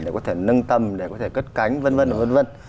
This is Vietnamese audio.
để có thể nâng tầm để có thể cất cánh v v